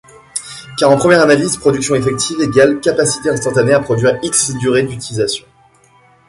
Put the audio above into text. Car, en première analyse, Production effective = capacité instantanée à produire X durée d'utilisation.